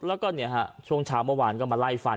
แล้วก็ช่วงเช้าเมื่อวานก็มาไล่ฟัน